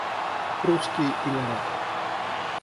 Русские имена